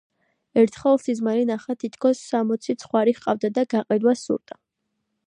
ერთხელ სიზმარი ნახა თითქოს სამოცი ცხვარი ჰყავდა და გაყიდვა სურდა